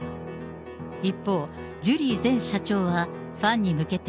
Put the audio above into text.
一方、ジュリー前社長はファンに向けて。